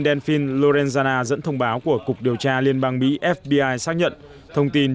philippine delfin lorenzana dẫn thông báo của cục điều tra liên bang mỹ fbi xác nhận thông tin